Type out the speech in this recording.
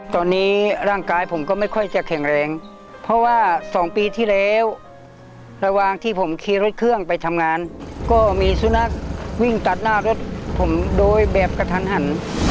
ตอนนี้ร่างกายผมก็ไม่ค่อยจะแข็งแรงเพราะว่า๒ปีที่แล้วระหว่างที่ผมขี่รถเครื่องไปทำงานก็มีสุนัขวิ่งตัดหน้ารถผมโดยแบบกระทันหัน